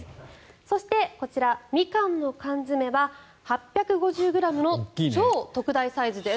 そしてこちら、ミカンの缶詰は８５０ｇの超特大サイズです。